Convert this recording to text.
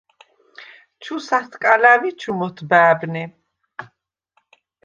– ჩუ ს’ათკალა̈უ̂ ი ჩუ მ’ოთბა̄̈ბნე.